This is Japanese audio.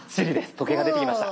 時計が出てきました。